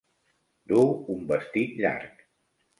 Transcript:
Duu un vestit llarg.